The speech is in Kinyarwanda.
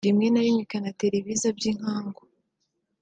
rimwe na rimwe ikanatera ibiza by’inkangu